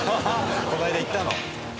この間行ったの？